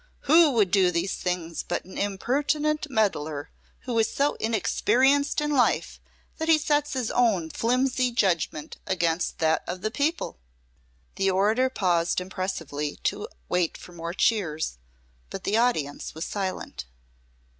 Who would do these things but an impertinent meddler who is so inexperienced in life that he sets his own flimsy judgment against that of the people?" The orator paused impressively to wait for more cheers, but the audience was silent.